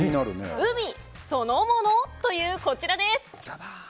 海そのものというこちらです。